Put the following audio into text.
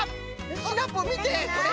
シナプーみてこれ！